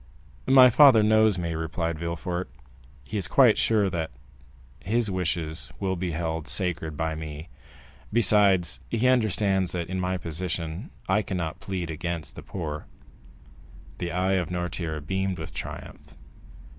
"My father knows me," replied Villefort; "he is quite sure that his wishes will be held sacred by me; besides, he understands that in my position I cannot plead against the poor." The eye of Noirtier beamed with triumph.